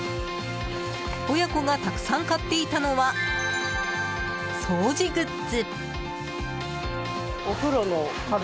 親子がたくさん買っていたのは掃除グッズ。